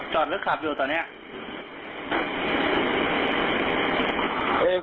จอดริสต์ขับอยู่ตอนเนี้ย